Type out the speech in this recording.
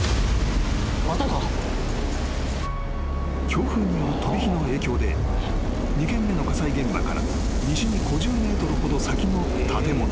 ［強風による飛び火の影響で２件目の火災現場から西に５０ｍほど先の建物］